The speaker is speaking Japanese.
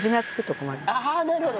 ああなるほど。